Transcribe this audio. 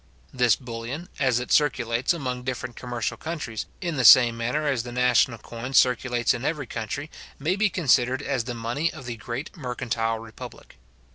This bullion, as it circulates among different commercial countries, in the same manner as the national coin circulates in every country, may be considered as the money of the great mercantile republic.